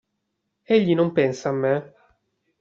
Egli non pensa a me?